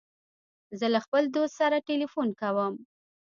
زه له خپل دوست سره تلیفون کوم.